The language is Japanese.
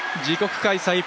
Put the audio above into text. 自国開催